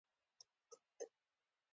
د شهیدانو څلور لارې په اسداباد ښار کې ده